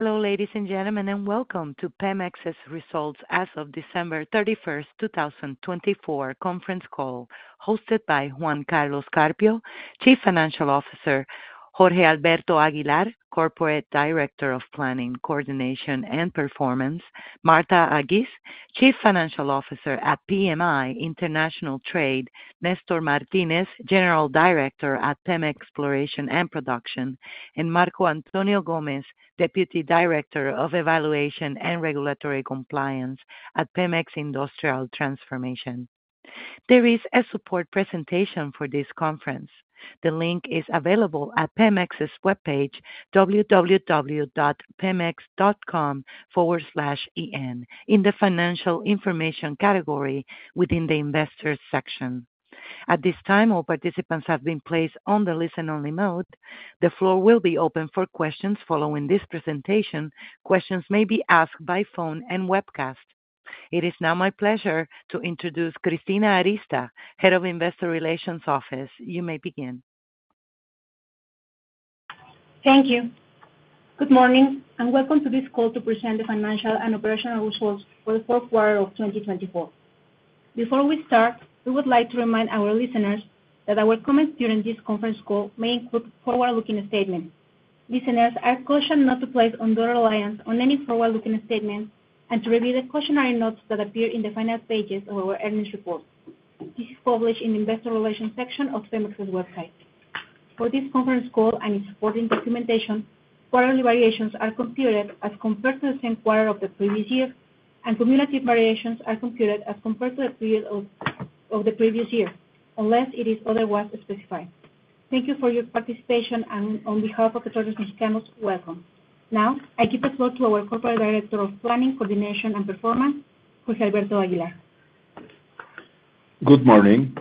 Hello, ladies and gentlemen, and welcome to PEMEX results as of December 31st, 2024, conference call hosted by Juan Carlos Carpio, Chief Financial Officer; Jorge Alberto Aguilar, Corporate Director of Planning, Coordination, and Performance; Martha Agiss, Chief Financial Officer at PMI International Trade; Néstor Martínez, General Director at PEMEX Exploration and Production; and Marco Antonio Gómez, Deputy Director of Evaluation and Regulatory Compliance at PEMEX Industrial Transformation. There is a support presentation for this conference. The link is available at PEMEX's webpage, www.pemex.com/en, in the Financial Information category within the Investors section. At this time, all participants have been placed on the listen-only mode. The floor will be open for questions following this presentation. Questions may be asked by phone and webcast. It is now my pleasure to introduce Cristina Arista, Head of Investor Relations Office. You may begin. Thank you. Good morning and welcome to this call to present the financial and operational results for the fourth quarter of 2024. Before we start, we would like to remind our listeners that our comments during this conference call may include forward-looking statements. Listeners are cautioned not to place undue reliance on any forward-looking statement and to review the cautionary notes that appear in the finance pages of our earnings report. This is published in the Investor Relations section of PEMEX's website. For this conference call and its supporting documentation, quarterly variations are computed as compared to the same quarter of the previous year, and cumulative variations are computed as compared to the period of the previous year, unless it is otherwise specified. Thank you for your participation, and on behalf of Petróleos Mexicanos, welcome. Now, I give the floor to our Corporate Director of Planning, Coordination, and Performance, Jorge Alberto Aguilar. Good morning.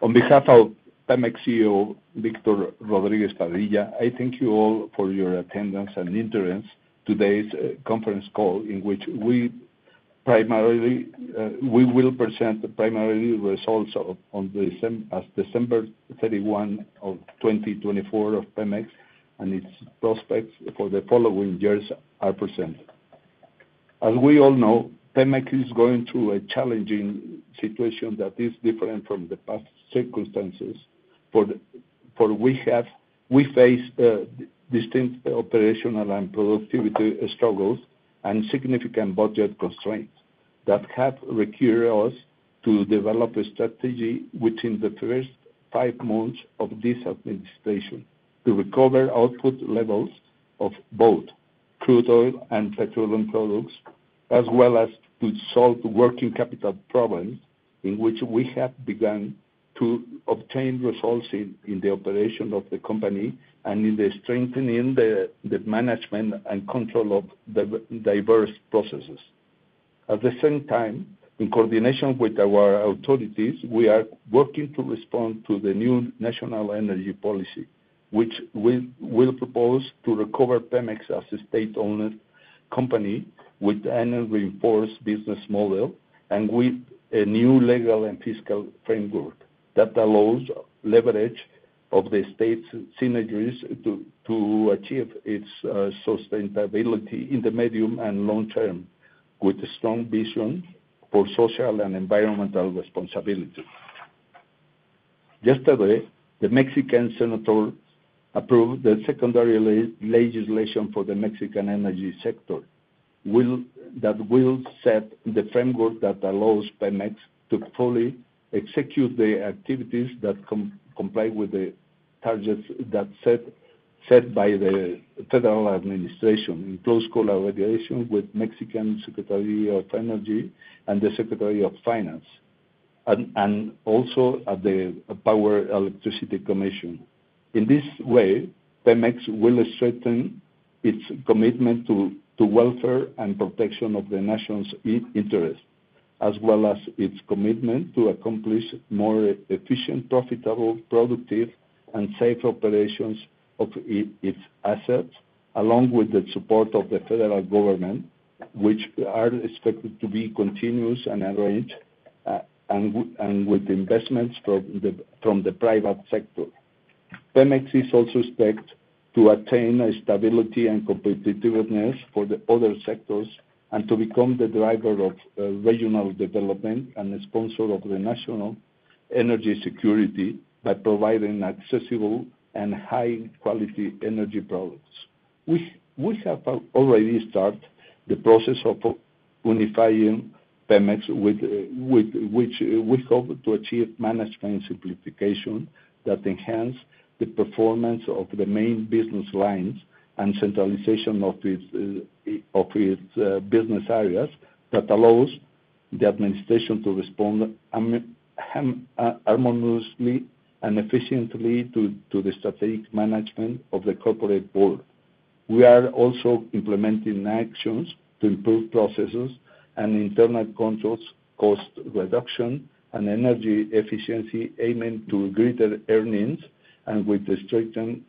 On behalf of PEMEX CEO, Víctor Rodríguez Padilla, I thank you all for your attendance and interest in today's conference call in which we will present primarily results as of December 31, 2024, of PEMEX and its prospects for the following years are presented. As we all know, PEMEX is going through a challenging situation that is different from the past circumstances for which we faced distinct operational and productivity struggles and significant budget constraints that have required us to develop a strategy within the first five months of this administration to recover output levels of both crude oil and petroleum products, as well as to solve working capital problems in which we have begun to obtain results in the operation of the company and in the strengthening of the management and control of diverse processes. At the same time, in coordination with our authorities, we are working to respond to the new national energy policy, which will propose to recover PEMEX as a state-owned company with an enhanced business model and with a new legal and fiscal framework that allows leverage of the state's synergies to achieve its sustainability in the medium and long term, with a strong vision for social and environmental responsibility. Yesterday, the Mexican Senate approved the secondary legislation for the Mexican energy sector that will set the framework that allows PEMEX to fully execute the activities that comply with the targets set by the federal administration in close collaboration with the Mexican Secretary of Energy and the Secretary of Finance, and also the Power Electricity Commission. In this way, PEMEX will strengthen its commitment to welfare and protection of the nation's interests, as well as its commitment to accomplish more efficient, profitable, productive, and safe operations of its assets, along with the support of the federal government, which are expected to be continuous and arranged, and with investments from the private sector. PEMEX is also expected to attain stability and competitiveness for the other sectors and to become the driver of regional development and a sponsor of the national energy security by providing accessible and high-quality energy products. We have already started the process of unifying PEMEX, which we hope to achieve management simplification that enhances the performance of the main business lines and centralization of its business areas that allows the administration to respond harmoniously and efficiently to the strategic management of the corporate board. We are also implementing actions to improve processes and internal controls, cost reduction, and energy efficiency aiming to greater earnings and with the strengthened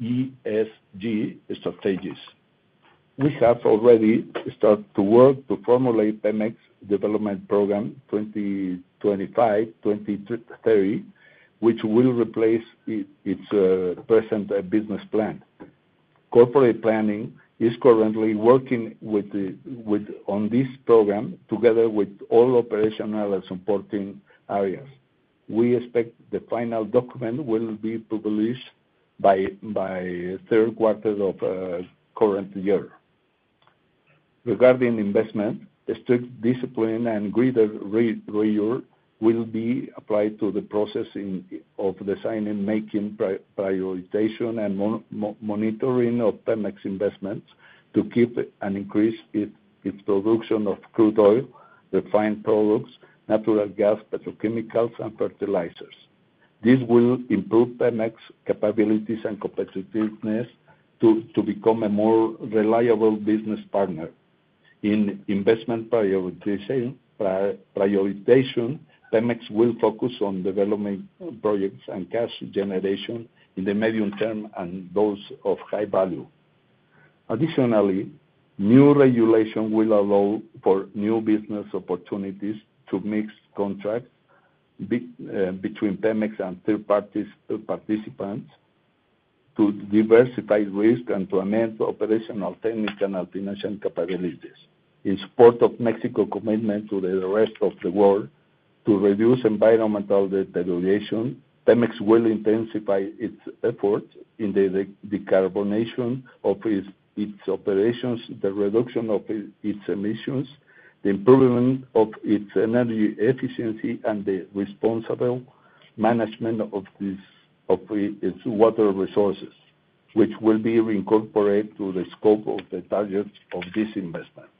ESG strategies. We have already started to work to formulate PEMEX Development Program 2025-2030, which will replace its present business plan. Corporate planning is currently working on this program together with all operational and supporting areas. We expect the final document will be published by the third quarter of the current year. Regarding investment, strict discipline and greater rigor will be applied to the process of designing, making, prioritization, and monitoring of PEMEX investments to keep and increase its production of crude oil, refined products, natural gas, petrochemicals, and fertilizers. This will improve PEMEX's capabilities and competitiveness to become a more reliable business partner. In investment prioritization, PEMEX will focus on development projects and cash generation in the medium term and those of high value. Additionally, new regulation will allow for new business opportunities to mix contracts between PEMEX and third-party participants to diversify risk and to amend operational, technical, and financial capabilities. In support of Mexico's commitment to the rest of the world to reduce environmental degradation, PEMEX will intensify its efforts in the decarbonization of its operations, the reduction of its emissions, the improvement of its energy efficiency, and the responsible management of its water resources, which will be reincorporated to the scope of the targets of these investments.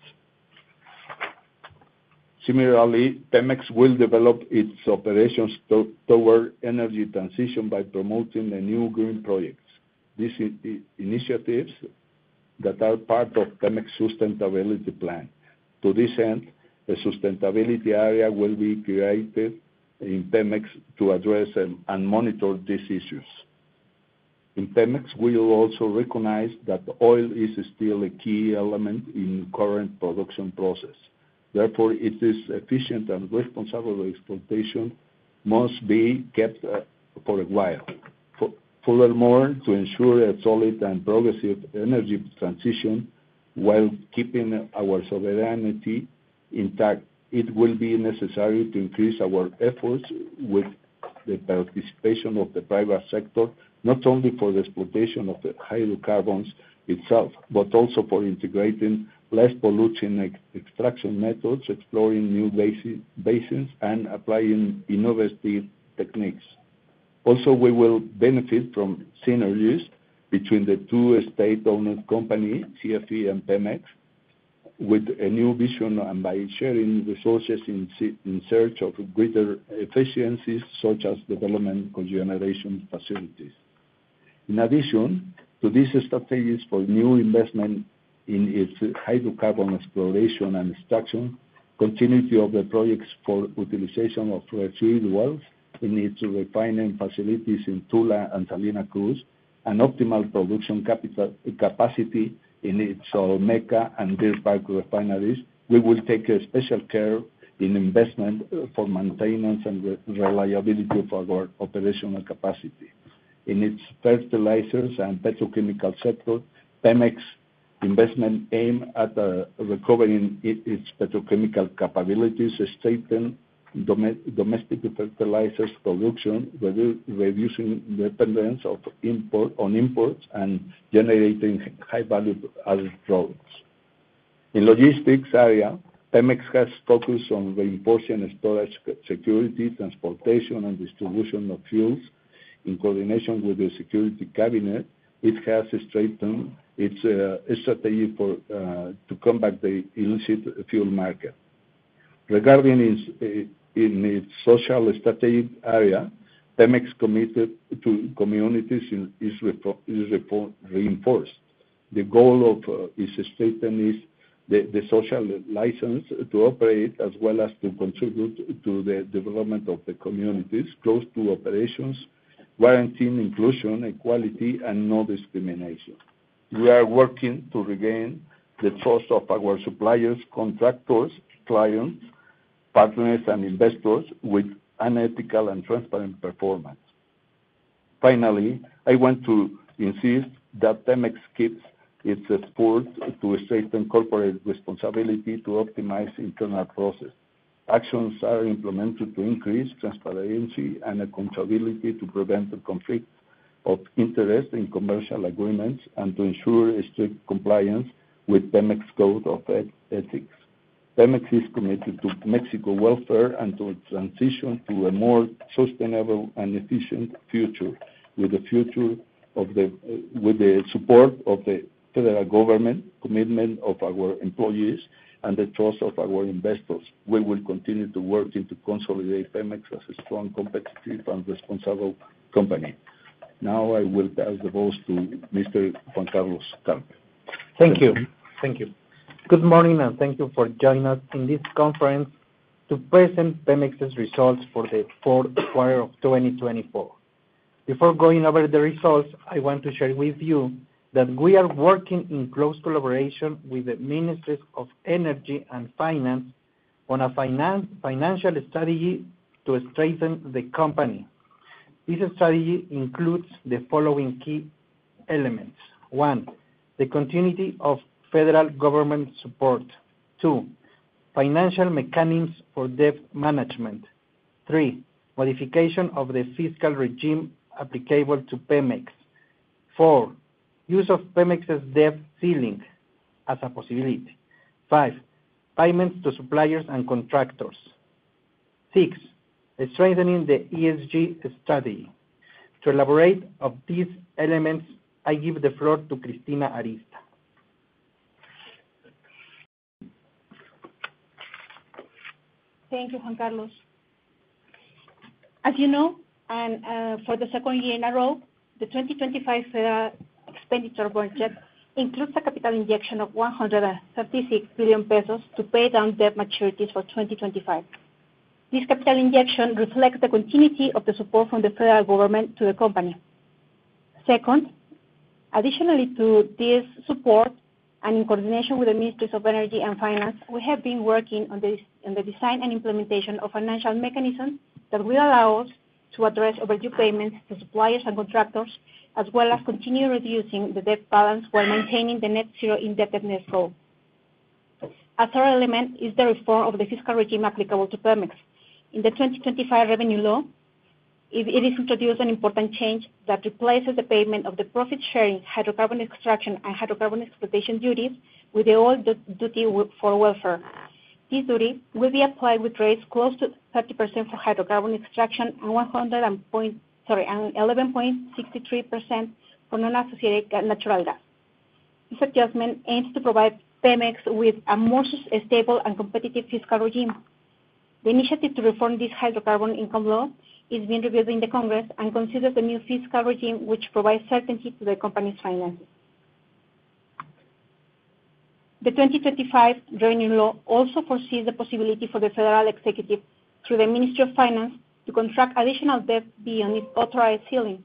Similarly, PEMEX will develop its operations toward energy transition by promoting the new green projects, these initiatives that are part of PEMEX's sustainability plan. To this end, a sustainability area will be created in PEMEX to address and monitor these issues. In PEMEX, we also recognize that oil is still a key element in the current production process. Therefore, its efficient and responsible exploitation must be kept for a while. Furthermore, to ensure a solid and progressive energy transition while keeping our sovereignty intact, it will be necessary to increase our efforts with the participation of the private sector, not only for the exploitation of hydrocarbons itself, but also for integrating less polluting extraction methods, exploring new basins, and applying innovative techniques. Also, we will benefit from synergies between the two state-owned companies, CFE and PEMEX, with a new vision and by sharing resources in search of greater efficiencies, such as development cogeneration facilities. In addition to these strategies for new investment in its hydrocarbon exploration and extraction, continuity of the projects for utilization of residuals in its refining facilities in Tula and Salina Cruz, and optimal production capacity in its Olmeca and Deer Park refineries, we will take special care in investment for maintenance and reliability of our operational capacity. In its fertilizers and petrochemical sector, PEMEX's investment aims at recovering its petrochemical capabilities, strengthening domestic fertilizers production, reducing dependence on imports, and generating high-value added products. In the logistics area, PEMEX has focused on reinforcing storage security, transportation, and distribution of fuels. In coordination with the Security Cabinet, it has strengthened its strategy to combat the illicit fuel market. Regarding its social strategic area, PEMEX's commitment to communities is reinforced. The goal of its strengthening is the social license to operate, as well as to contribute to the development of the communities close to operations, guaranteeing inclusion, equality, and no discrimination. We are working to regain the trust of our suppliers, contractors, clients, partners, and investors with an ethical and transparent performance. Finally, I want to insist that PEMEX keeps its efforts to strengthen corporate responsibility to optimize internal processes. Actions are implemented to increase transparency and accountability, to prevent the conflict of interest in commercial agreements, and to ensure strict compliance with PEMEX's code of ethics. PEMEX is committed to Mexico's welfare and to a transition to a more sustainable and efficient future, with the support of the federal government, commitment of our employees, and the trust of our investors. We will continue to work to consolidate PEMEX as a strong, competitive, and responsible company. Now, I will pass the voice to Mr. Juan Carlos Carpio. Thank you. Thank you. Good morning and thank you for joining us in this conference to present PEMEX's results for the fourth quarter of 2024. Before going over the results, I want to share with you that we are working in close collaboration with the Ministry of Energy and Finance on a financial strategy to strengthen the company. This strategy includes the following key elements: one, the continuity of federal government support; two, financial mechanisms for debt management; three, modification of the fiscal regime applicable to PEMEX; four, use of PEMEX's debt ceiling as a possibility; five, payments to suppliers and contractors; six, strengthening the ESG strategy. To elaborate on these elements, I give the floor to Cristina Arista. Thank you, Juan Carlos. As you know, and for the second year in a row, the 2025 federal expenditure budget includes a capital injection of 136 billion pesos to pay down debt maturities for 2025. This capital injection reflects the continuity of the support from the federal government to the company. Second, additionally to this support, and in coordination with the Ministry of Energy and Finance, we have been working on the design and implementation of financial mechanisms that will allow us to address overdue payments to suppliers and contractors, as well as continue reducing the debt balance while maintaining the net zero indebtedness goal. A third element is the reform of the fiscal regime applicable to PEMEX. In the 2025 revenue law, it is introduced an important change that replaces the payment of the profit-sharing hydrocarbon extraction and hydrocarbon exploitation duties with the Oil Duty for Welfare. This duty will be applied with rates close to 30% for hydrocarbon extraction and 11.63% for non-associated natural gas. This adjustment aims to provide PEMEX with a more stable and competitive fiscal regime. The initiative to reform this hydrocarbon income law is being reviewed in the Congress and considers the new fiscal regime, which provides certainty to the company's finances. The 2025 revenue law also foresees the possibility for the federal executive, through the Ministry of Finance, to contract additional debt beyond its authorized ceiling,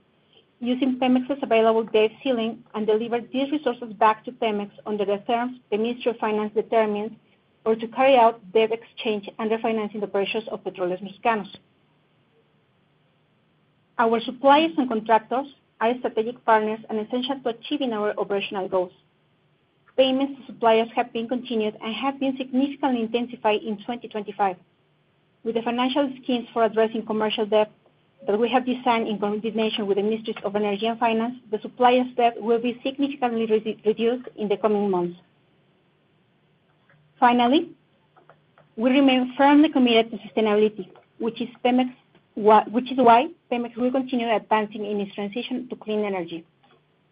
using PEMEX's available debt ceiling, and deliver these resources back to PEMEX under the terms the Ministry of Finance determines, or to carry out debt exchange and refinancing the pressures of Petróleos Mexicanos. Our suppliers and contractors are strategic partners and essential to achieving our operational goals. Payments to suppliers have been continued and have been significantly intensified in 2025. With the financial schemes for addressing commercial debt that we have designed in coordination with the Ministry of Energy and Finance, the suppliers' debt will be significantly reduced in the coming months. Finally, we remain firmly committed to sustainability, which is why PEMEX will continue advancing in its transition to clean energy.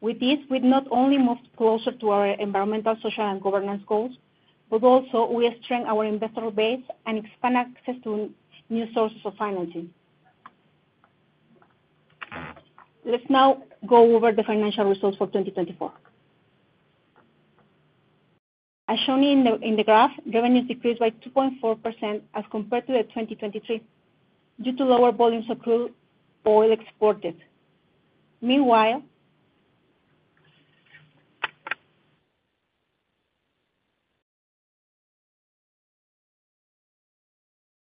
With this, we not only move closer to our environmental, social, and governance goals, but also we strengthen our investor base and expand access to new sources of financing. Let's now go over the financial results for 2024. As shown in the graph, revenues decreased by 2.4% as compared to 2023 due to lower volumes of crude oil exported. Meanwhile,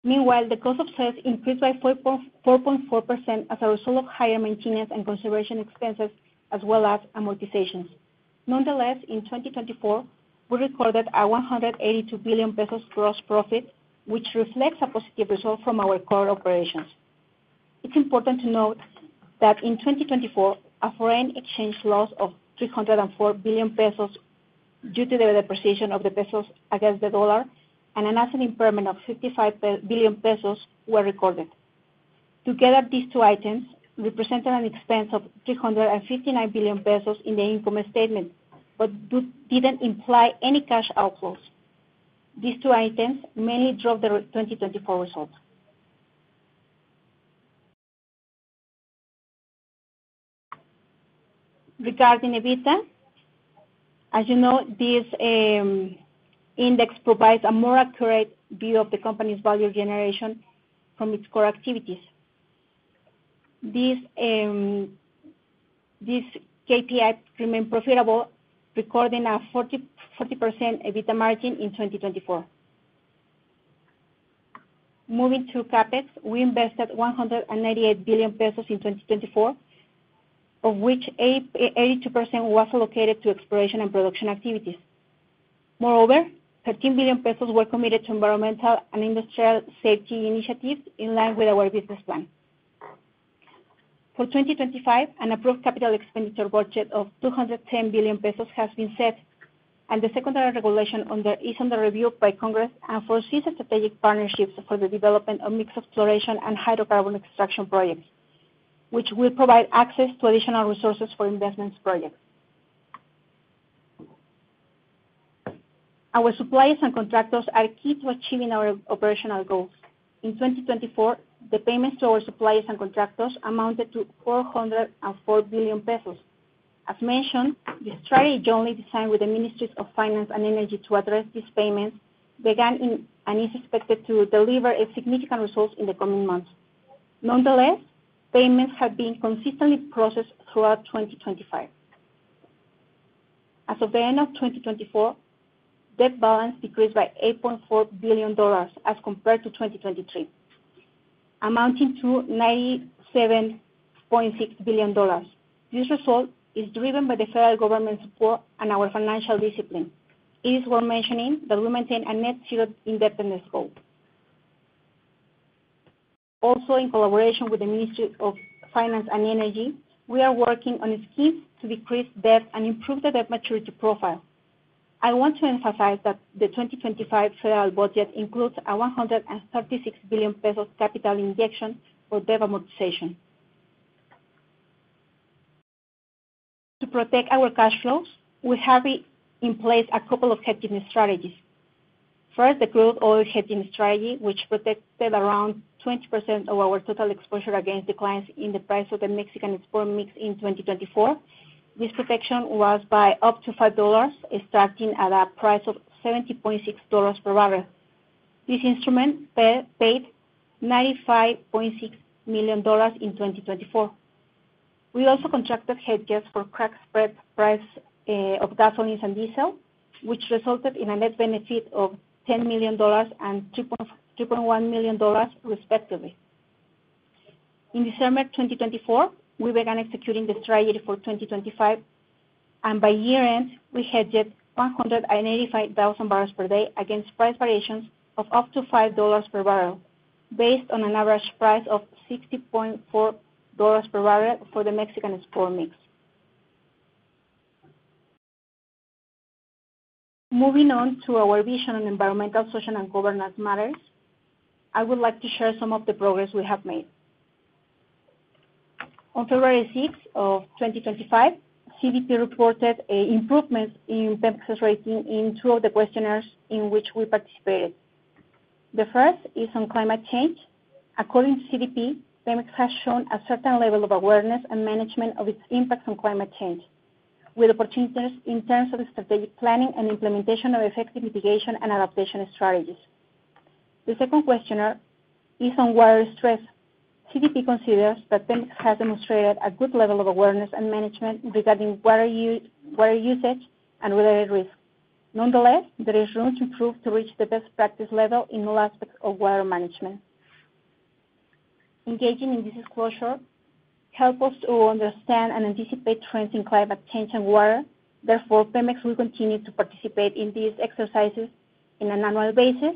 the cost of sales increased by 4.4% as a result of higher maintenance and conservation expenses, as well as amortizations. Nonetheless, in 2024, we recorded a 182 billion pesos gross profit, which reflects a positive result from our current operations. It's important to note that in 2024, a foreign exchange loss of 304 billion pesos due to the depreciation of the peso against the dollar and an asset impairment of 55 billion pesos were recorded. Together, these two items represented an expense of 359 billion pesos in the income statement, but didn't imply any cash outflows. These two items mainly drove the 2024 result. Regarding EBITDA, as you know, this index provides a more accurate view of the company's value generation from its core activities. This KPI remained profitable, recording a 40% EBITDA margin in 2024. Moving to CapEx, we invested 198 billion pesos in 2024, of which 82% was allocated to exploration and production activities. Moreover, 13 billion pesos were committed to environmental and industrial safety initiatives in line with our business plan. For 2025, an approved capital expenditure budget of 210 billion pesos has been set, and the secondary regulation is under review by Congress and foresees strategic partnerships for the development of mixed exploration and hydrocarbon extraction projects, which will provide access to additional resources for investment projects. Our suppliers and contractors are key to achieving our operational goals. In 2024, the payments to our suppliers and contractors amounted to 404 billion pesos. As mentioned, the strategy jointly designed with the Ministry of Finance and Energy to address these payments began and is expected to deliver significant results in the coming months. Nonetheless, payments have been consistently processed throughout 2025. As of the end of 2024, debt balance decreased by $8.4 billion as compared to 2023, amounting to $97.6 billion. This result is driven by the federal government support and our financial discipline. It is worth mentioning that we maintain a net zero indebtedness goal. Also, in collaboration with the Ministry of Finance and Energy, we are working on schemes to decrease debt and improve the debt maturity profile. I want to emphasize that the 2025 federal budget includes a 136 billion pesos capital injection for debt amortization. To protect our cash flows, we have in place a couple of hedging strategies. First, the crude oil hedging strategy, which protected around 20% of our total exposure against declines in the price of the Mexican export mix in 2024. This protection was by up to $5, starting at a price of $70.6 per barrel. This instrument paid $95.6 million in 2024. We also contracted hedges for crack spread price of gasolines and diesel, which resulted in a net benefit of $10 million and $3.1 million, respectively. In December 2024, we began executing the strategy for 2025, and by year-end, we hedged 185,000 bbl per day against price variations of up to $5 per barrel, based on an average price of $60.4 per barrel for the Mexican export mix. Moving on to our vision on environmental, social, and governance matters, I would like to share some of the progress we have made. On February 6 of 2025, CDP reported improvements in PEMEX's rating in two of the questionnaires in which we participated. The first is on climate change. According to CDP, PEMEX has shown a certain level of awareness and management of its impacts on climate change, with opportunities in terms of strategic planning and implementation of effective mitigation and adaptation strategies. The second questionnaire is on water stress. CDP considers that PEMEX has demonstrated a good level of awareness and management regarding water usage and related risks. Nonetheless, there is room to improve to reach the best practice level in all aspects of water management. Engaging in this exposure helps us to understand and anticipate trends in climate change and water. Therefore, PEMEX will continue to participate in these exercises on an annual basis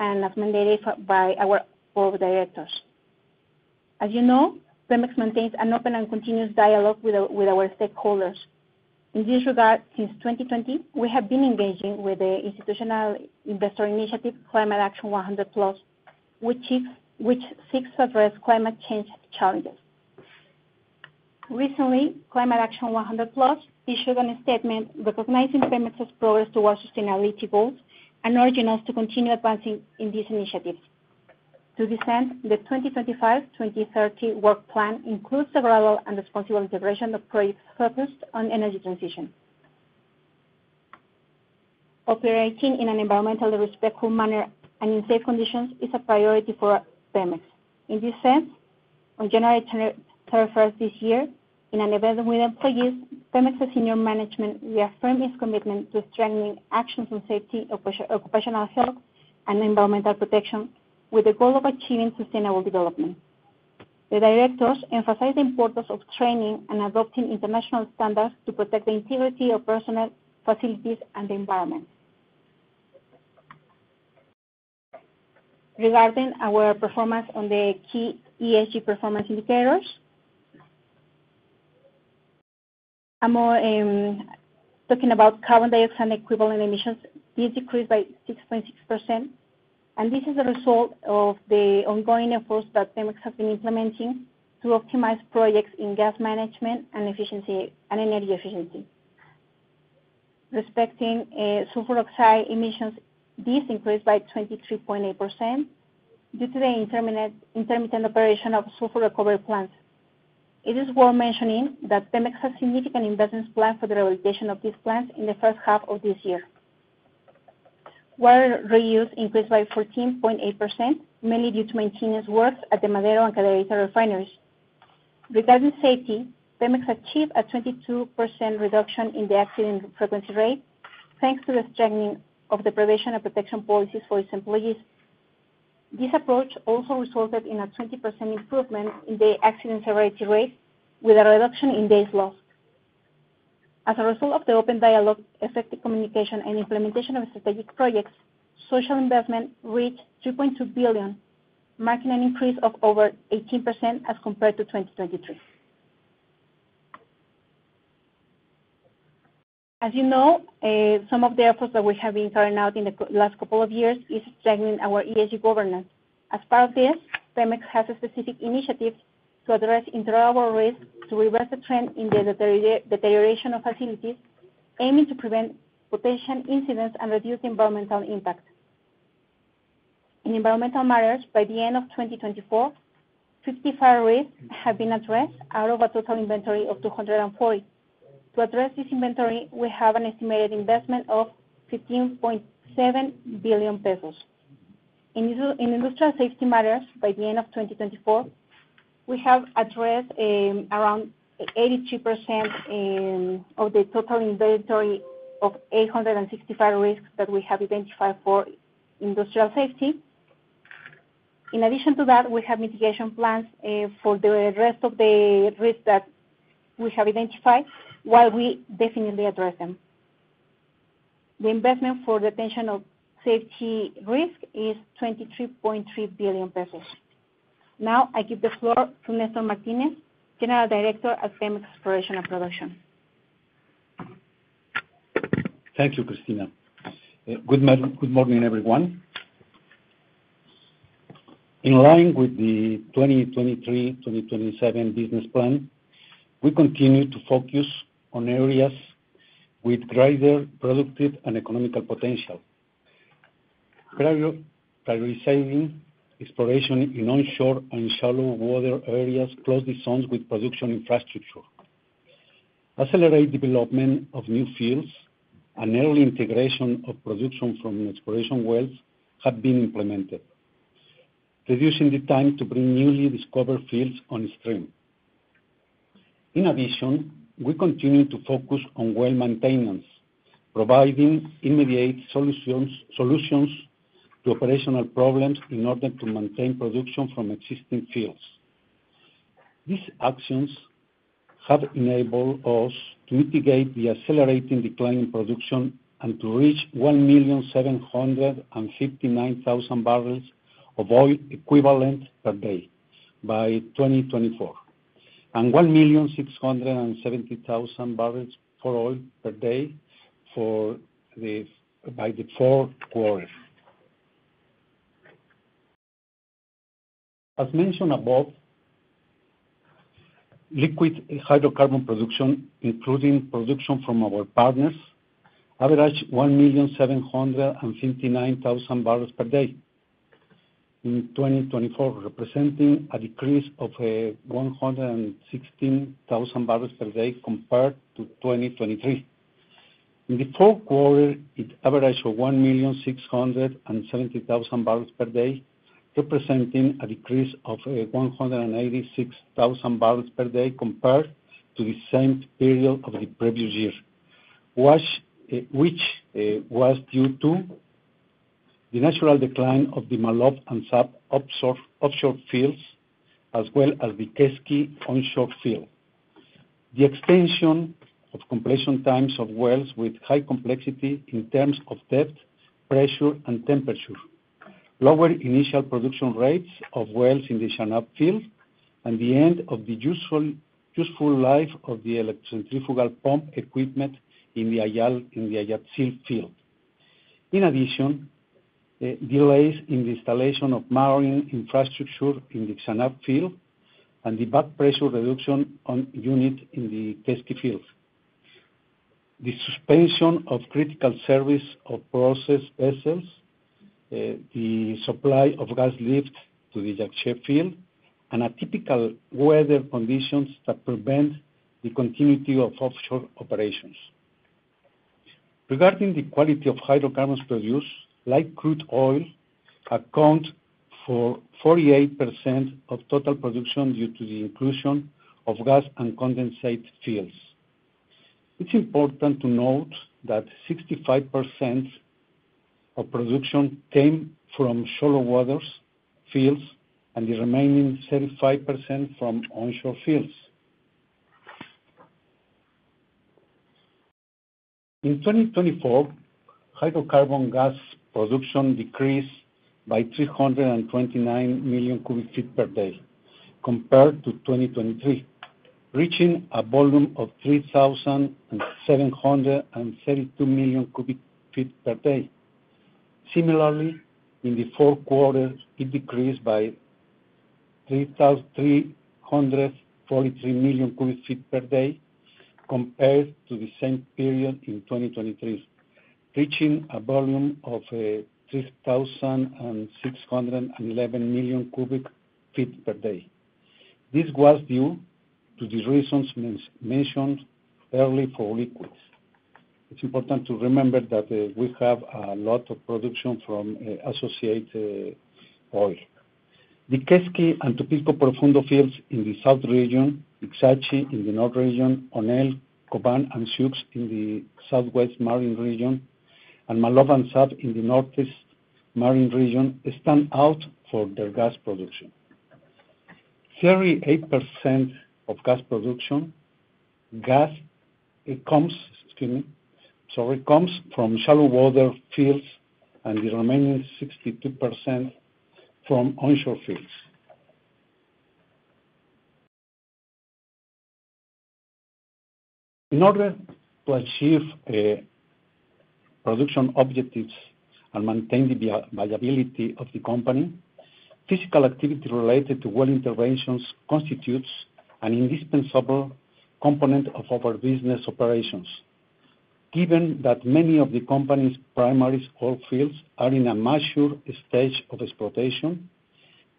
and as mandated by our board of directors. As you know, PEMEX maintains an open and continuous dialogue with our stakeholders. In this regard, since 2020, we have been engaging with the institutional investor initiative Climate Action 100+, which seeks to address climate change challenges. Recently, Climate Action 100+ issued a statement recognizing PEMEX's progress towards sustainability goals and urging us to continue advancing in these initiatives. To this end, the 2025-2030 work plan includes a gradual and responsible integration of projects focused on energy transition. Operating in an environmentally respectful manner and in safe conditions is a priority for PEMEX. In this sense, on January 31st this year, in an event with employees, PEMEX's senior management reaffirmed its commitment to strengthening actions on safety, occupational health, and environmental protection, with the goal of achieving sustainable development. The directors emphasized the importance of training and adopting international standards to protect the integrity of personal facilities and the environment. Regarding our performance on the key ESG performance indicators, talking about carbon dioxide equivalent emissions, these decreased by 6.6%, and this is the result of the ongoing efforts that PEMEX has been implementing to optimize projects in gas management and energy efficiency. Respecting sulfur oxide emissions, these increased by 23.8% due to the intermittent operation of sulfur recovery plants. It is worth mentioning that PEMEX has significant investments planned for the realization of these plants in the first half of this year. Water reuse increased by 14.8%, mainly due to maintenance works at the Madero and Cadereyta refineries. Regarding safety, PEMEX achieved a 22% reduction in the accident frequency rate, thanks to the strengthening of the prevention and protection policies for its employees. This approach also resulted in a 20% improvement in the accident severity rate, with a reduction in days lost. As a result of the open dialogue, effective communication, and implementation of strategic projects, social investment reached 3.2 billion, marking an increase of over 18% as compared to 2023. As you know, some of the efforts that we have been carrying out in the last couple of years are strengthening our ESG governance. As part of this, PEMEX has specific initiatives to address internal risk to reverse the trend in the deterioration of facilities, aiming to prevent potential incidents and reduce the environmental impact. In environmental matters, by the end of 2024, 55 risks have been addressed out of a total inventory of 240. To address this inventory, we have an estimated investment of 15.7 billion pesos. In industrial safety matters, by the end of 2024, we have addressed around 82% of the total inventory of 865 risks that we have identified for industrial safety. In addition to that, we have mitigation plans for the rest of the risks that we have identified, while we definitely address them. The investment for the attention of safety risk is 23.3 billion pesos. Now, I give the floor to Néstor Martínez, General Director of PEMEX Exploration and Production. Thank you, Cristina. Good morning, everyone. In line with the 2023-2027 business plan, we continue to focus on areas with greater productive and economical potential, prioritizing exploration in onshore and shallow water areas close to zones with production infrastructure. Accelerate development of new fields and early integration of production from exploration wells have been implemented, reducing the time to bring newly discovered fields on stream. In addition, we continue to focus on well maintenance, providing immediate solutions to operational problems in order to maintain production from existing fields. These actions have enabled us to mitigate the accelerating decline in production and to reach 1,759,000 bbl of oil equivalent per day by 2024, and 1,670,000 bbl for oil per day by the fourth quarter. As mentioned above, liquid hydrocarbon production, including production from our partners, averaged 1,759,000 bbl per day in 2024, representing a decrease of 116,000 bbl per day compared to 2023. In the fourth quarter, it averaged 1,670,000 bbl per day, representing a decrease of 186,000 bbl per day compared to the same period of the previous year, which was due to the natural decline of the Maloob and Zaap offshore fields, as well as the Quesqui onshore field. The extension of completion times of wells with high complexity in terms of depth, pressure, and temperature, lower initial production rates of wells in the Xanab field, and the end of the useful life of the electric centrifugal pump equipment in the Ayatsil field. In addition, delays in the installation of marine infrastructure in the Xanab field and the back pressure reduction unit in the Quesqui field. The suspension of critical service of process vessels, the supply of gas lift to the Yaxche field, and atypical weather conditions that prevent the continuity of offshore operations. Regarding the quality of hydrocarbons produced, like crude oil, account for 48% of total production due to the inclusion of gas and condensate fields. It's important to note that 65% of production came from shallow water fields and the remaining 35% from onshore fields. In 2024, hydrocarbon gas production decreased by 329 million cu ft per day compared to 2023, reaching a volume of 3,732 million cu ft per day. Similarly, in the fourth quarter, it decreased by 3,343 million cu ft per day compared to the same period in 2023, reaching a volume of 3,611 million cu ft per day. This was due to the reasons mentioned earlier for liquids. It's important to remember that we have a lot of production from associated oil. The Quesqui and Tupilco Profundo fields in the south region, Ixachi in the north region, Onel, Koban, and Suuk in the southwest marine region, and Maloob and Zaap in the northeast marine region stand out for their gas production. 38% of gas production comes from shallow water fields and the remaining 62% from onshore fields. In order to achieve production objectives and maintain the viability of the company, physical activity related to well interventions constitutes an indispensable component of our business operations. Given that many of the company's primary oil fields are in a mature stage of exploitation,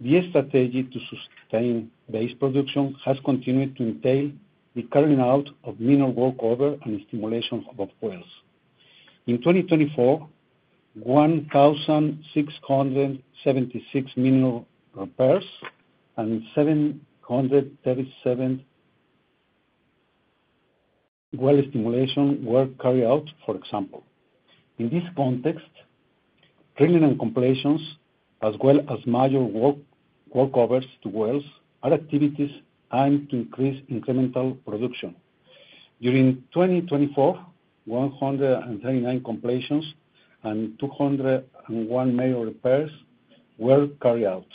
the strategy to sustain base production has continued to entail the carrying out of minor workover and stimulation of wells. In 2024, 1,676 minor repairs and 737 well stimulation were carried out, for example. In this context, drilling and completions, as well as major workovers to wells, are activities aimed to increase incremental production. During 2024, 139 completions and 201 major repairs were carried out.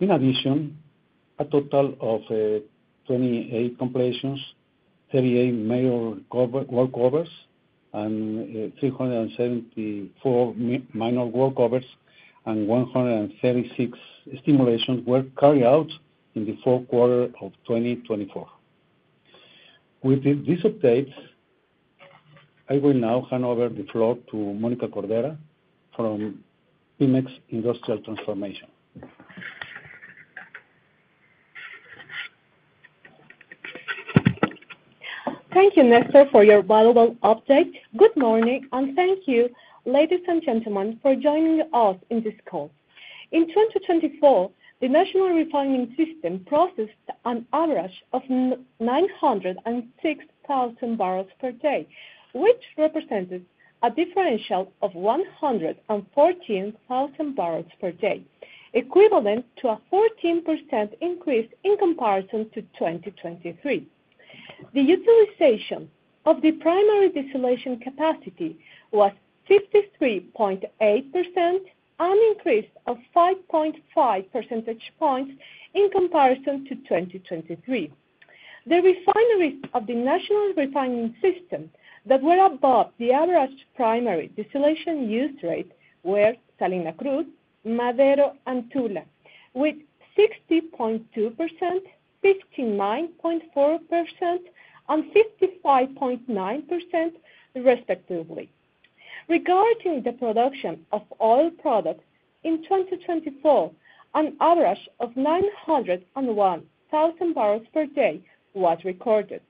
In addition, a total of 28 completions, 38 major workovers, 374 minor workovers, and 136 stimulations were carried out in the fourth quarter of 2024. With this update, I will now hand over the floor to Monica Corvera from PEMEX Industrial Transformation. Thank you, Néstor, for your valuable update. Good morning, and thank you, ladies and gentlemen, for joining us in this call. In 2024, the national refining system processed an average of 906,000 bbl per day, which represented a differential of 114,000 bbl per day, equivalent to a 14% increase in comparison to 2023. The utilization of the primary distillation capacity was 53.8%, an increase of 5.5 percentage points in comparison to 2023. The refineries of the national refining system that were above the average primary distillation use rate were Salina Cruz, Madero, and Tula, with 60.2%, 59.4%, and 55.9%, respectively. Regarding the production of oil products in 2024, an average of 901,000 bbl per day was recorded,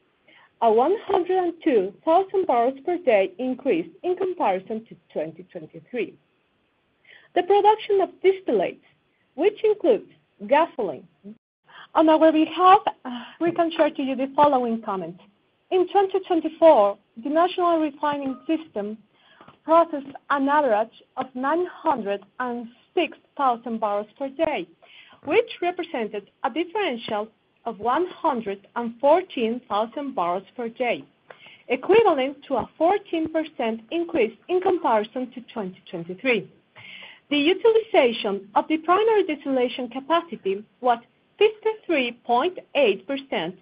a 102,000 bbl per day increase in comparison to 2023. The production of distillates, which includes gasoline. On our behalf, we can share to you the following comments. In 2024, the national refining system processed an average of 906,000 bbl per day, which represented a differential of 114,000 bbl per day, equivalent to a 14% increase in comparison to 2023. The utilization of the primary distillation capacity was 53.8%,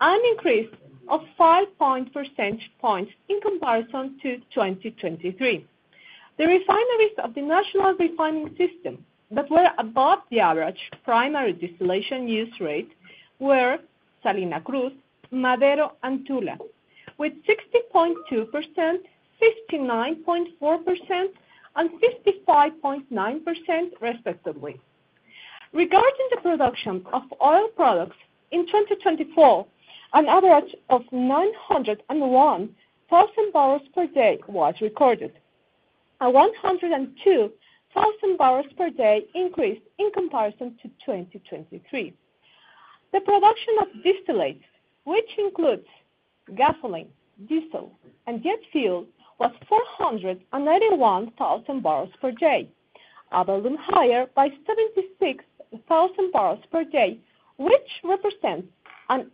an increase of 5.0 percentage points in comparison to 2023. The refineries of the national refining system that were above the average primary distillation use rate were Salina Cruz, Madero, and Tula, with 60.2%, 59.4%, and 55.9%, respectively. Regarding the production of oil products in 2024, an average of 901,000 bbl per day was recorded, a 102,000 bbl per day increase in comparison to 2023. The production of distillates, which includes gasoline, diesel, and jet fuel, was 481,000 bbl per day, a volume higher by 76,000 bbl per day, which represents an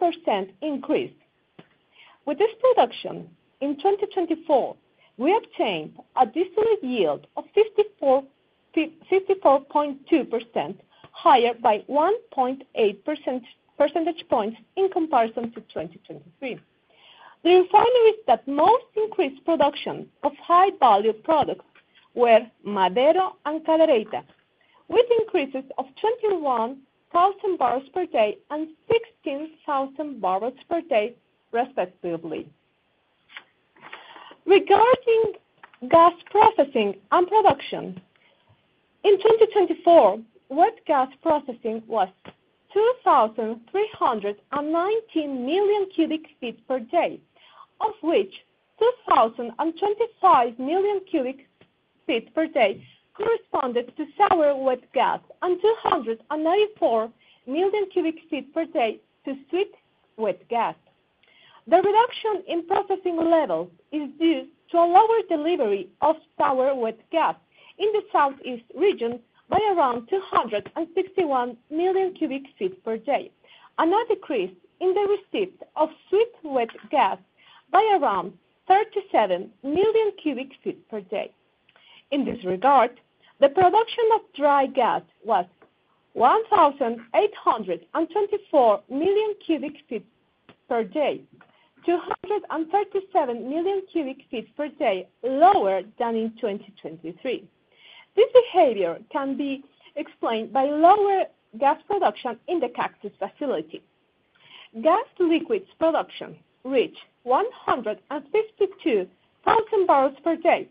18% increase. With this production in 2024, we obtained a distillate yield of 54.2%, higher by 1.8 percentage points in comparison to 2023. The refineries that most increased production of high-value products were Madero and Cadereyta, with increases of 21,000 bbl per day and 16,000 bbl per day, respectively. Regarding gas processing and production, in 2024, wet gas processing was 2,319 million cu ft per day, of which 2,025 million cu ft per day corresponded to sour wet gas and 294 million cu ft per day to sweet wet gas. The reduction in processing levels is due to a lower delivery of sour wet gas in the southeast region by around 261 million cu ft per day, another increase in the receipt of sweet wet gas by around 37 million cu ft per day. In this regard, the production of dry gas was 1,824 million cu ft per day, 237 million cu ft per day lower than in 2023. This behavior can be explained by lower gas production in the Cactus facility. Gas liquids production reached 152,000 bbl per day,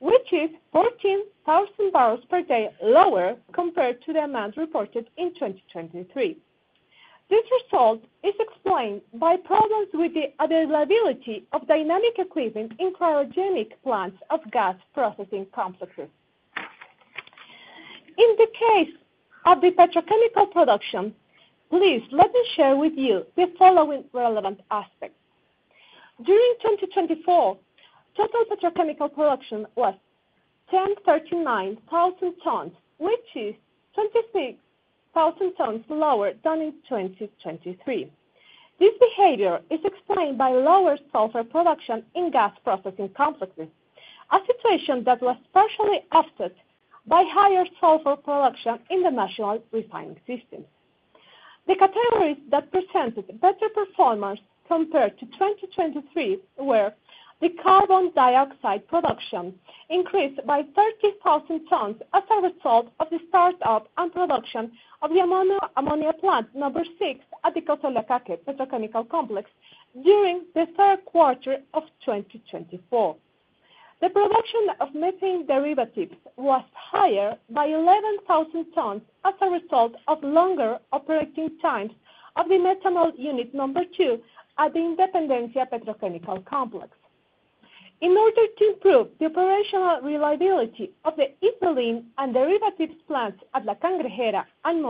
which is 14,000 bbl per day lower compared to the amount reported in 2023. This result is explained by problems with the availability of dynamic equipment in cryogenic plants of gas processing complexes. In the case of the petrochemical production, please let me share with you the following relevant aspects. During 2024, total petrochemical production was 1,039,000 tons, which is 26,000 tons lower than in 2023. This behavior is explained by lower sulfur production in gas processing complexes, a situation that was partially affected by higher sulfur production in the national refining system. The categories that presented better performance compared to 2023 were the carbon dioxide production, increased by 30,000 tons as a result of the startup and production of the Ammonia Plant number 6 at the Cosoleacaque Petrochemical Complex during the third quarter of 2024. The production of methane derivatives was higher by 11,000 tons as a result of longer operating times of the methanol unit number 2 at the Independencia Petrochemical Complex. In order to improve the operational reliability of the ethylene and derivatives plants at La Cangrejera and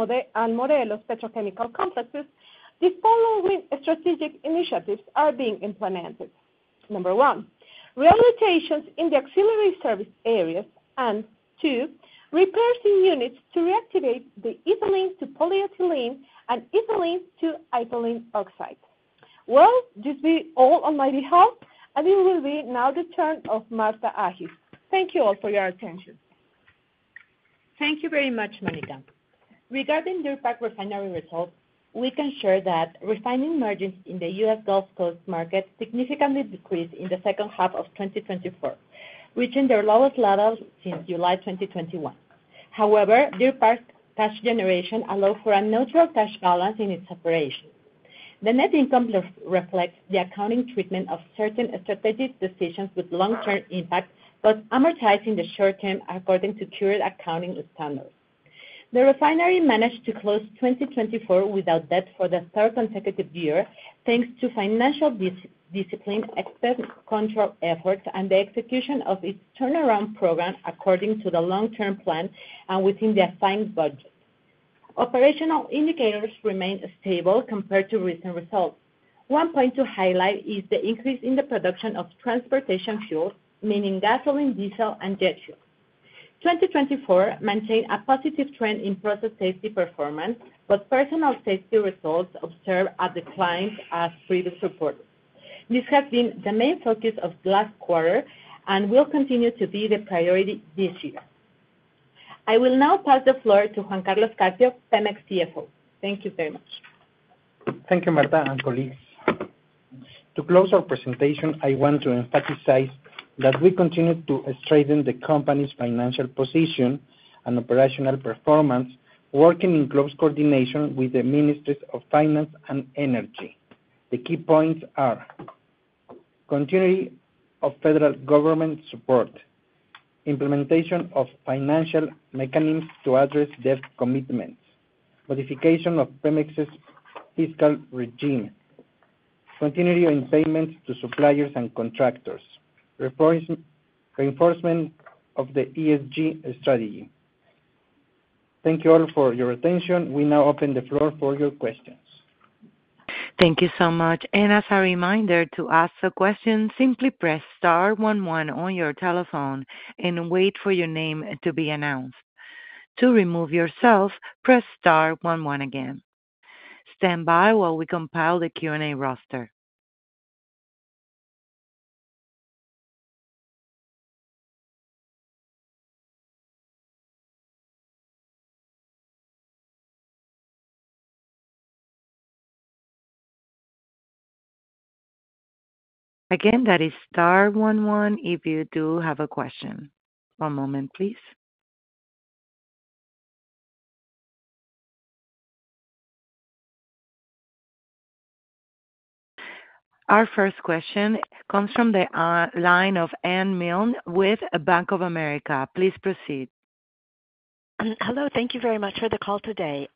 Morelos Petrochemical Complexes, the following strategic initiatives are being implemented. Number one, rehabilitations in the auxiliary service areas, and two, repairs in units to reactivate the ethylene to polyethylene and ethylene to ethylene oxide. This will be all on my behalf, and it will be now the turn of Martha Agiss. Thank you all for your attention. Thank you very much, Monica. Regarding Deer Park refinery results, we can share that refining margins in the U.S. Gulf Coast market significantly decreased in the second half of 2024, reaching their lowest levels since July 2021. However, Deer Park's cash generation allowed for a neutral cash balance in its operation. The net income reflects the accounting treatment of certain strategic decisions with long-term impact, but amortizing the short term according to current accounting standards. The refinery managed to close 2024 without debt for the third consecutive year, thanks to financial discipline, excess control efforts, and the execution of its turnaround program according to the long-term plan and within the assigned budget. Operational indicators remain stable compared to recent results. One point to highlight is the increase in the production of transportation fuels, meaning gasoline, diesel, and jet fuel. 2024 maintained a positive trend in process safety performance, but personal safety results observed a decline as previously reported. This has been the main focus of the last quarter and will continue to be the priority this year. I will now pass the floor to Juan Carlos Carpio, PEMEX CFO. Thank you very much. Thank you, Martha and colleagues. To close our presentation, I want to emphasize that we continue to strengthen the company's financial position and operational performance, working in close coordination with the Ministry of Finance and Energy. The key points are continuity of federal government support, implementation of financial mechanisms to address debt commitments, modification of PEMEX's fiscal regime, continuity in payments to suppliers and contractors, reinforcement of the ESG strategy. Thank you all for your attention. We now open the floor for your questions. Thank you so much. As a reminder, to ask a question, simply press star one one on your telephone and wait for your name to be announced. To remove yourself, press star one one again. Stand by while we compile the Q&A roster. Again, that is star one one if you do have a question. One moment, please. Our first question comes from the line of Anne Milne with Bank of America. Please proceed. Hello. Thank you very much for the call today.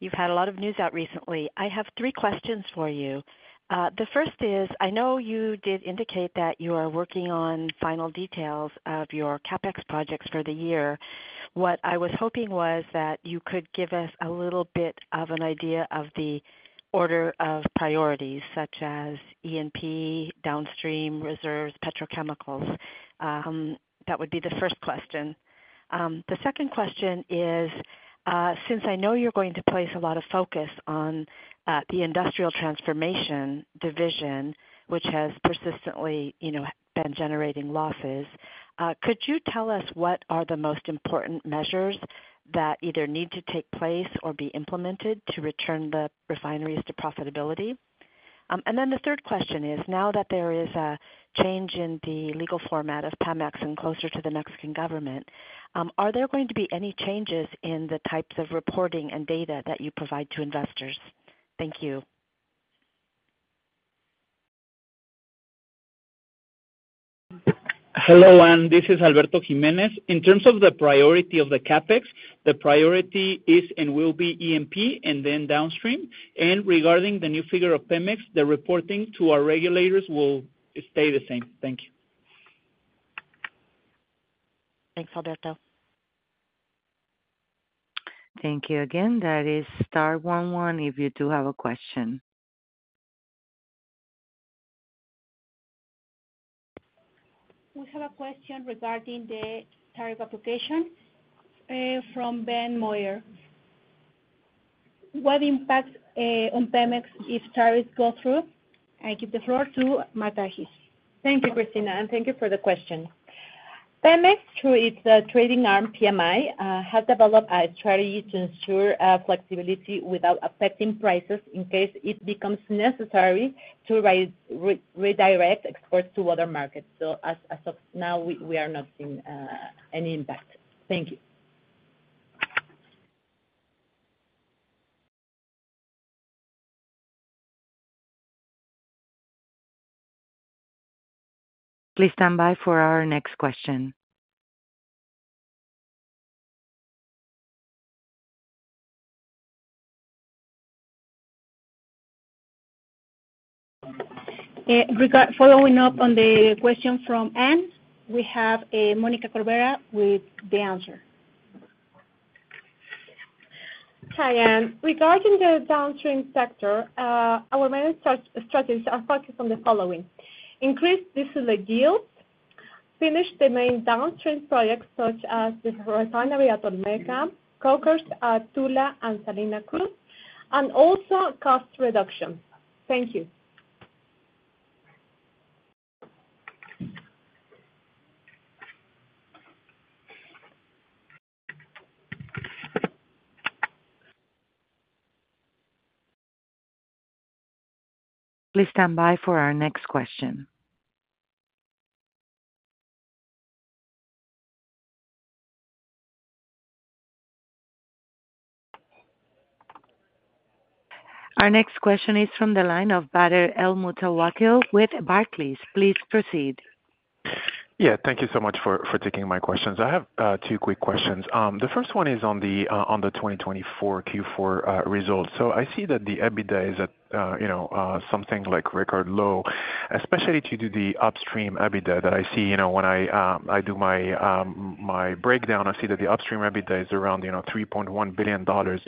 You've had a lot of news out recently. I have three questions for you. The first is, I know you did indicate that you are working on final details of your CaPex projects for the year. What I was hoping was that you could give us a little bit of an idea of the order of priorities, such as E&P, downstream reserves, petrochemicals. That would be the first question. The second question is, since I know you're going to place a lot of focus on the industrial transformation division, which has persistently been generating losses, could you tell us what are the most important measures that either need to take place or be implemented to return the refineries to profitability? Then the third question is, now that there is a change in the legal format of PEMEX and closer to the Mexican government, are there going to be any changes in the types of reporting and data that you provide to investors? Thank you. Hello, and this is Alberto Jiménez. In terms of the priority of the CapEx, the priority is and will be E&P and then downstream. Regarding the new figure of PEMEX, the reporting to our regulators will stay the same. Thank you. Thanks, Alberto. Thank you again. That is star one one if you do have a question. We have a question regarding the tariff application from Ben Moyer. What impact on PEMEX if tariffs go through? I give the floor to Martha Agiss. Thank you, Cristina, and thank you for the question. PEMEX, through its trading arm, PMI, has developed a strategy to ensure flexibility without affecting prices in case it becomes necessary to redirect exports to other markets. As of now, we are not seeing any impact. Thank you. Please stand by for our next question. Following up on the question from Anne, we have Mónica Corvera with the answer. Hi, Anne. Regarding the downstream sector, our main strategies are focused on the following: increase distillate yields, finish the main downstream projects such as the refinery at Olmeca, Cokers, Tula, and Salina Cruz, and also cost reduction. Thank you. Please stand by for our next question. Our next question is from the line of Badr El Moutawakil with Barclays. Please proceed. Yeah, thank you so much for taking my questions. I have two quick questions. The first one is on the 2024 Q4 results. I see that the EBITDA is at something like record low, especially to do the upstream EBITDA that I see when I do my breakdown. I see that the upstream EBITDA is around $3.1 billion,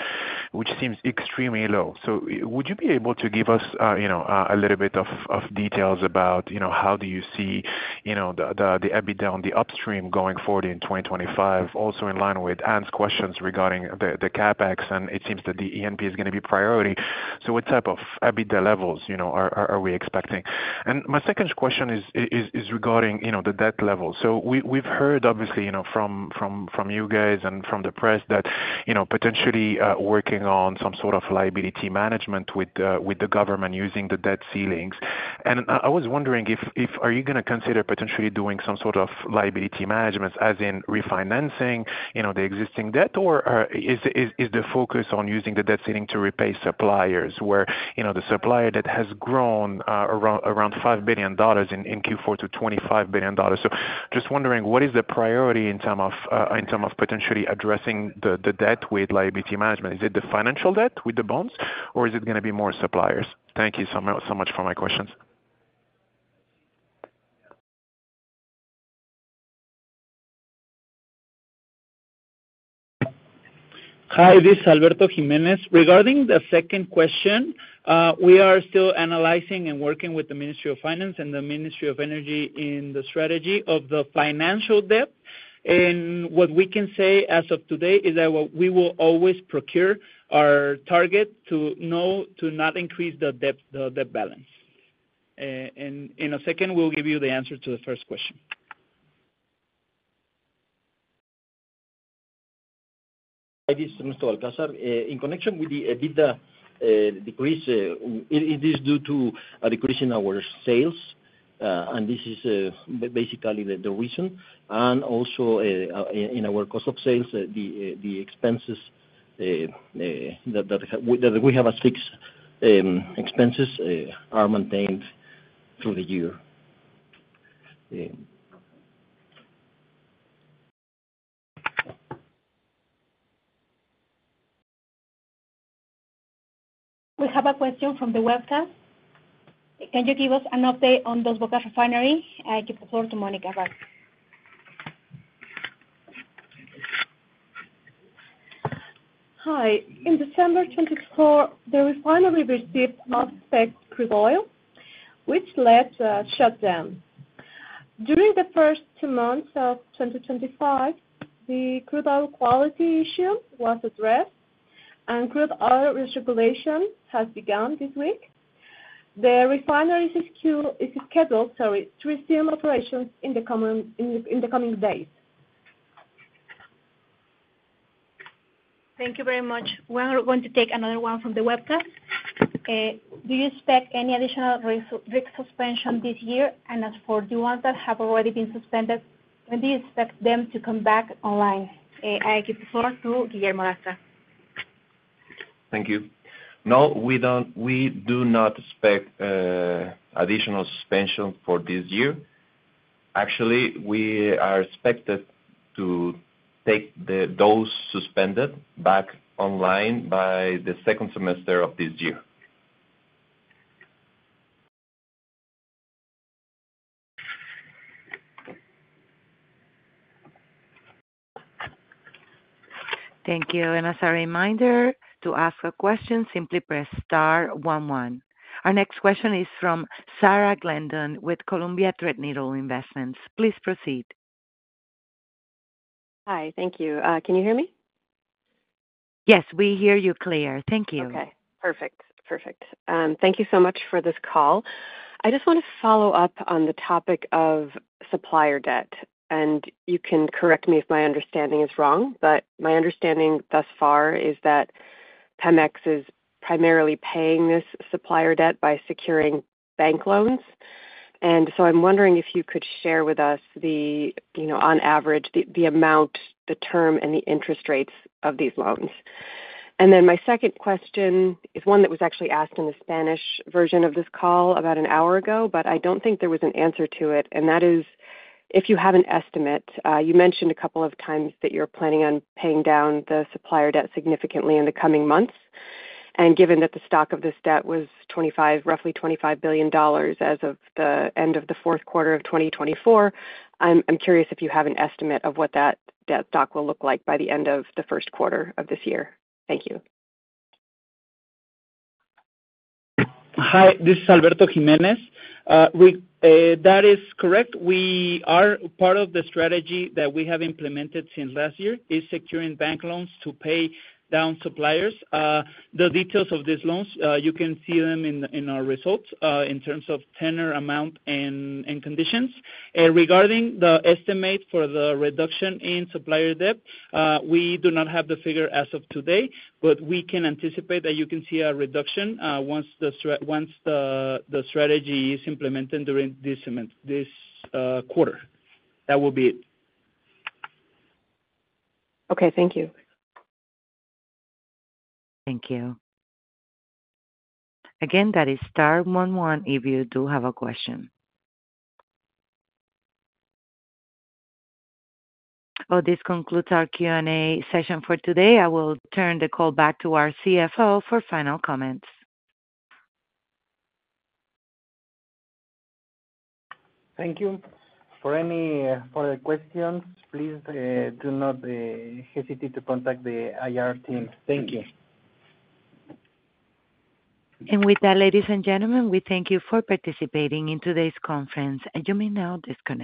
which seems extremely low. Would you be able to give us a little bit of details about how do you see the EBITDA on the upstream going forward in 2025, also in line with Anne's questions regarding the CapEx? It seems that the E&P is going to be priority. What type of EBITDA levels are we expecting? My second question is regarding the debt level. We have heard, obviously, from you guys and from the press that potentially working on some sort of liability management with the government using the debt ceilings. I was wondering, are you going to consider potentially doing some sort of liability management, as in refinancing the existing debt, or is the focus on using the debt ceiling to repay suppliers where the supplier debt has grown around $5 billion in Q4 to $25 billion? Just wondering, what is the priority in terms of potentially addressing the debt with liability management? Is it the financial debt with the bonds, or is it going to be more suppliers? Thank you so much for my questions. Hi, this is Alberto Jiménez. Regarding the second question, we are still analyzing and working with the Ministry of Finance and the Ministry of Energy in the strategy of the financial debt. What we can say as of today is that we will always procure our target to not increase the debt balance. In a second, we'll give you the answer to the first question. Hi, this is Ernesto Balcázar. In connection with the EBITDA decrease, is this due to a decrease in our sales? This is basically the reason. Also, in our cost of sales, the expenses that we have as fixed expenses are maintained through the year. We have a question from the webcast. Can you give us an update on Dos Bocas refinery? I give the floor to Mónica Corvera. Hi. In December 2024, the refinery received off-spec crude oil, which led to a shutdown. During the first two months of 2025, the crude oil quality issue was addressed, and crude oil recirculation has begun this week. The refinery is scheduled to resume operations in the coming days. Thank you very much. We are going to take another one from the webcast. Do you expect any additional rig suspension this year? As for the ones that have already been suspended, when do you expect them to come back online? I give the floor to Guillermo Lastra. Thank you. No, we do not expect additional suspension for this year. Actually, we are expected to take those suspended back online by the second semester of this year. Thank you. As a reminder, to ask a question, simply press star one one. Our next question is from Sarah Glendon with Columbia Threadneedle Investments. Please proceed. Hi, thank you. Can you hear me? Yes, we hear you clear. Thank you. Okay, perfect. Perfect. Thank you so much for this call. I just want to follow up on the topic of supplier debt. You can correct me if my understanding is wrong, but my understanding thus far is that PEMEX is primarily paying this supplier debt by securing bank loans. I am wondering if you could share with us, on average, the amount, the term, and the interest rates of these loans. My second question is one that was actually asked in the Spanish version of this call about an hour ago, but I do not think there was an answer to it. That is, if you have an estimate, you mentioned a couple of times that you are planning on paying down the supplier debt significantly in the coming months. Given that the stock of this debt was roughly $25 billion as of the end of the fourth quarter of 2024, I'm curious if you have an estimate of what that debt stock will look like by the end of the first quarter of this year. Thank you. Hi, this is Alberto Jiménez. That is correct. We are part of the strategy that we have implemented since last year, securing bank loans to pay down suppliers. The details of these loans, you can see them in our results in terms of tenor, amount, and conditions. Regarding the estimate for the reduction in supplier debt, we do not have the figure as of today, but we can anticipate that you can see a reduction once the strategy is implemented during this quarter. That will be it. Okay, thank you. Thank you. Again, that is star one one if you do have a question. This concludes our Q&A session for today. I will turn the call back to our CFO for final comments. Thank you. For any further questions, please do not hesitate to contact the IR team. Thank you. With that, ladies and gentlemen, we thank you for participating in today's conference. You may now disconnect.